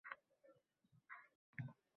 Shabiston aro